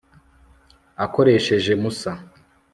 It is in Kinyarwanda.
akoresheje musa